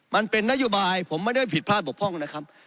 มันเป็นนโยบายผมไม่ได้ผิดพลาดบกพร่องนะครับ